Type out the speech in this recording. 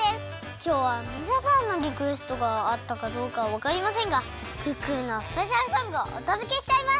きょうはみなさんのリクエストがあったかどうかわかりませんがクックルンのスペシャルソングをおとどけしちゃいます！